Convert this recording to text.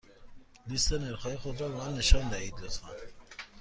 لیست نرخ های خود را به من نشان دهید، لطفا.